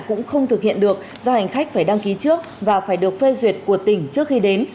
cũng không thực hiện được do hành khách phải đăng ký trước và phải được phê duyệt của tỉnh trước khi đến